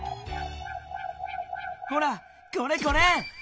ほらこれこれ。